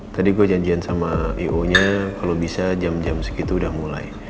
tadi gue janjian sama ionya kalo bisa jam jam segitu udah mulai